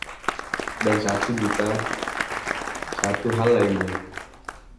Dan satu juta satu hal lainnya.